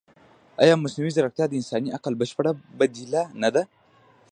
ایا مصنوعي ځیرکتیا د انساني عقل بشپړه بدیله نه ده؟